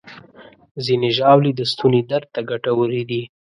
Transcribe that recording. ځینې ژاولې د ستوني درد ته ګټورې دي.